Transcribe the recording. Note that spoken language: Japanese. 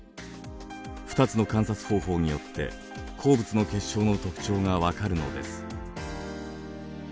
２つの観察方法によって鉱物の結晶の特徴が分かるのです。